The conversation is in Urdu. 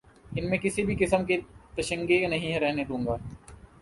ان میں کسی بھی قسم کی تشنگی نہیں رہنے دوں گا